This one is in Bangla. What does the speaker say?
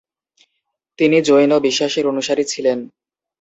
তিনি জৈন বিশ্বাসের অনুসারী ছিলেন।